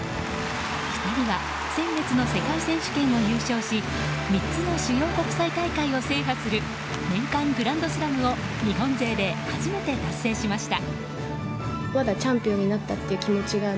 ２人は先月の世界選手権を優勝し３つの主要国際大会を制覇する年間グランドスラムを日本勢で初めて達成しました。